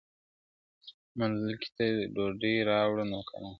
ملکې ته ډوډۍ راوړه نوکرانو!.